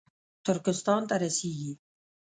ترکستان ته رسېږي